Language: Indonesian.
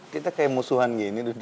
kita kayak musuhan gini